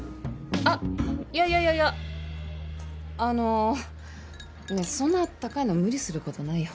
あっいやいやいやいやあのいやそんな高いの無理することないよ。